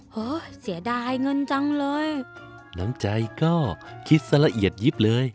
โหเสียดายเงินจังเลยน้ำใจก็คิดซะละเอียดยิบเลย